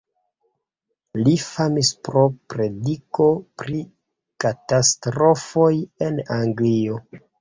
Li famis pro prediko pri katastrofoj en Anglio.